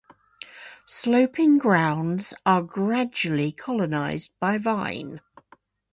Sloping grounds are gradually colonized by vine.